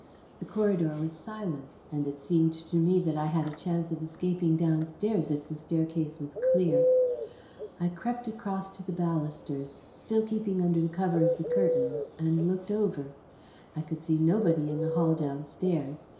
The corridor was silent, and it seemed to me that I had a chance of escaping downstairs if the staircase was clear. I crept across to the balusters, still keeping under the cover of the curtains, and looked over. I could see nobody in the hall downstairs.